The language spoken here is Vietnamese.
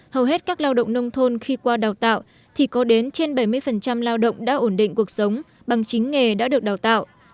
hầu hết các lao động nông thôn khi qua đào tạo thì có đến trên bảy mươi lao động đã ổn định cuộc sống bằng chính nghề đã được đào tạo